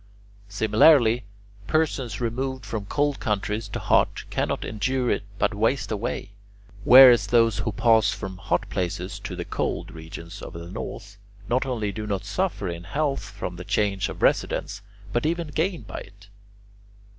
Similarly, persons removed from cold countries to hot cannot endure it but waste away; whereas those who pass from hot places to the cold regions of the north, not only do not suffer in health from the change of residence but even gain by it.